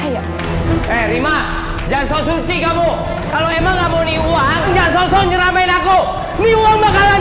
ya eh rima jangan so suci kamu kalau emang kamu nih uangnya sosok nyuramain aku nih uang bakalan